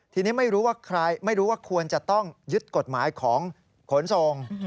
ทีนี้ไม่รู้ว่าใครไม่รู้ว่าควรจะต้องยึดกฎหมายของขนส่ง